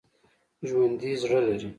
ژوندي زړه لري